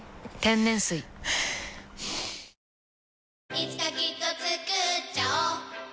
いつかきっとつくっちゃおう